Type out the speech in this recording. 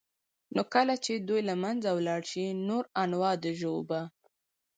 نو كله چي دوى له منځه ولاړ شي نور انواع د ژوو به